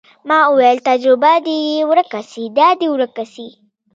ما وويل تجربه دې يې ورکه سي دا دې ورکه سي.